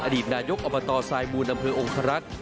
อดีตนายกอบตสายบูนอำเภอองค์ภรรค